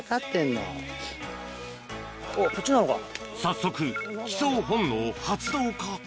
早速帰巣本能発動か？